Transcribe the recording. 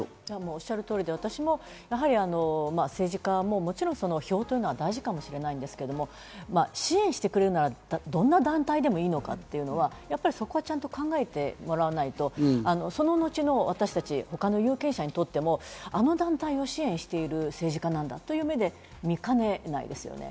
おっしゃる通りで、私も政治家ももちろん票というのは大事かもしれないですけど、支援してくれるなら、どんな団体でもというのは、そこはしっかり考えてもらわないと、その後の私たち、他の有権者にとっても、あの団体が支援している政治家なんだというふうに見られかねない。